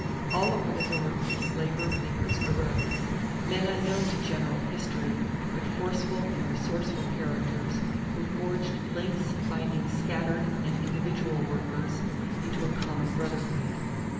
All over the North labor leaders arose men unknown to general history but forceful and resourceful characters who forged links binding scattered and individual workers into a common brotherhood.